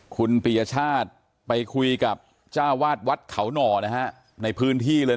คุณปียชาติไปคุยกับจ้าวาดวัดเขาหน่อนะฮะในพื้นที่เลย